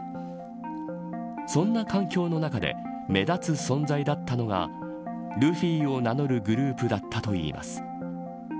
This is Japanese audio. そんな環境の中で目立つ存在だったのがルフィを名乗るグループだったといいます。